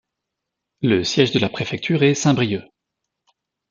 Le siège de la préfecture est Saint-Brieuc.